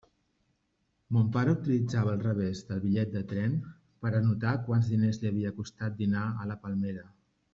Mon pare utilitzava el revés del bitllet de tren per a anotar quants diners li havia costat dinar a La Palmera.